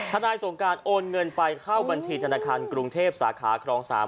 ทันายสงการโน้นเงินไปเข้ากับบัญชีธรรณคันกรุงเทพสาขา